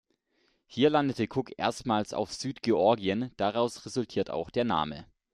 Hier landete Cook erstmals auf Südgeorgien, daraus resultiert auch der Name.